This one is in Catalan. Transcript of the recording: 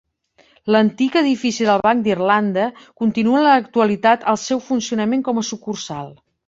L'antic edifici del Banc d'Irlanda continua en l'actualitat el seu funcionament com a sucursal.